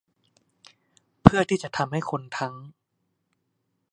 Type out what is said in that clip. เพื่อที่จะทำให้คนทั้ง